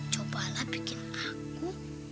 cobalah bikin aku